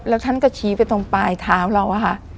แล้วท่านก็ชี้ไปตรงปลายท้าของเรา